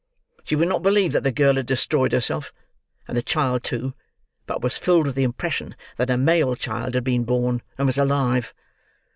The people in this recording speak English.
She would not believe that the girl had destroyed herself, and the child too, but was filled with the impression that a male child had been born, and was alive.